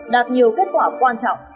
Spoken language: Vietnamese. đạt nhiều kết quả quan trọng